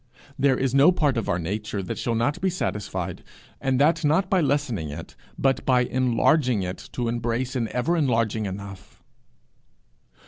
There is no part of our nature that shall not be satisfied and that not by lessening it, but by enlarging it to embrace an ever enlarging enough.